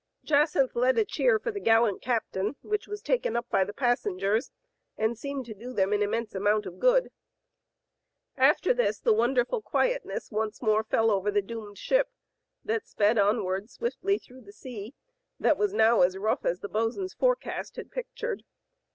Jacynth led a cheer for the gallant captain, which was taken up by the passengers, and seemed to do them an immense amount of good. Digitized by Google H, W, LUCY, ^57 After this the wonderful quietness once more fell over the doomed ship that sped onward swiftly through the sea that was now as rough as the bos*n*s forecast had pictured.